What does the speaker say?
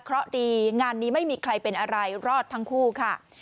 เพราะดีงานนี้ไม่มีใครเป็นอะไรรอดทั้งคู่ค่ะ